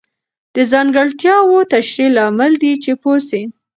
د ځانګړتیاوو تشریح لامل دی چې پوه سئ.